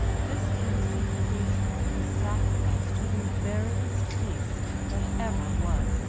This innocent creature is sacrificed to the veriest beast that ever was.